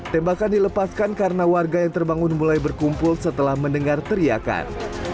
tembakan dilepaskan karena warga yang terbangun mulai berkumpul setelah mendengar teriakan